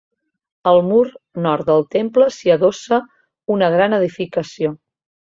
Al mur nord del temple s'hi adossa una gran edificació.